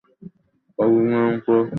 কাজের নিয়ম তো এটাই, তাই না?